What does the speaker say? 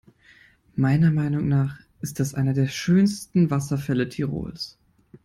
Meiner Meinung nach ist das einer der schönsten Wasserfälle Tirols.